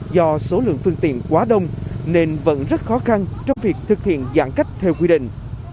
do số lượng phương tiện quá đông nên vẫn rất khó khăn trong việc thực hiện giãn cách theo quy định